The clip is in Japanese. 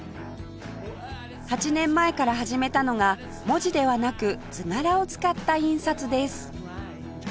８年前から始めたのが文字ではなく図柄を使った印刷です